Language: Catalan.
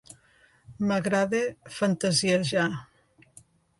M'agrada fantasiejar.